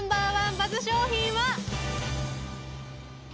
バズ商品は？